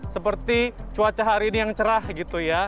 seperti cuaca hari ini yang cerah gitu ya